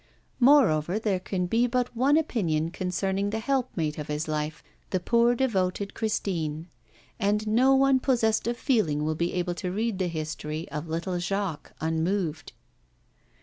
Moreover, there can be but one opinion concerning the helpmate of his life, the poor devoted Christine; and no one possessed of feeling will be able to read the history of little Jacques unmoved.